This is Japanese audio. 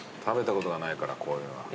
食べたことがないからこういうの。